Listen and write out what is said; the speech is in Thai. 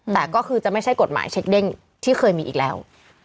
แต่ก็คือจะไม่ใช่กฎหมายเช็คเด้งที่เคยมีอีกแล้ว